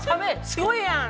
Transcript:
すごいやん！